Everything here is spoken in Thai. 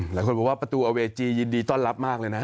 หลายคนบอกว่าประตูเอาเวจียินดีต้อนรับมากเลยนะ